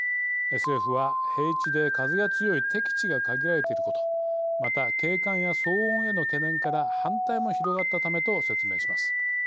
政府は平地で風が強い適地が限られていることまた、景観や騒音への懸念から反対も広がったためと説明します。